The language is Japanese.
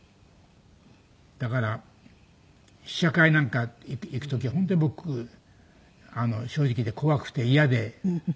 だから試写会なんか行く時は本当に僕正直言って怖くてイヤで。